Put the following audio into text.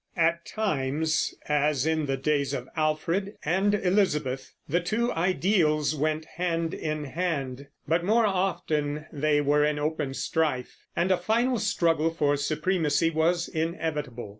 At times, as in the days of Alfred and Elizabeth, the two ideals went hand in hand; but more often they were in open strife, and a final struggle for supremacy was inevitable.